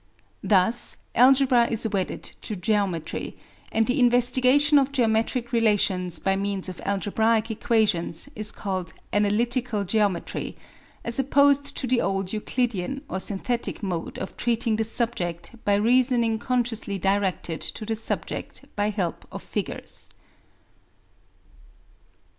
Thus algebra is wedded to geometry, and the investigation of geometric relations by means of algebraic equations is called analytical geometry, as opposed to the old Euclidian or synthetic mode of treating the subject by reasoning consciously directed to the subject by help of figures.